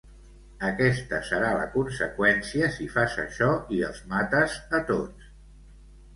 Aquesta serà la conseqüència si fas això i els mates a tots.